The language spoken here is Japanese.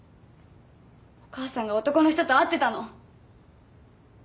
お母さんが男の人と会ってたの。